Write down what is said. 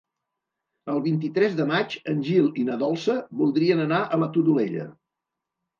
El vint-i-tres de maig en Gil i na Dolça voldrien anar a la Todolella.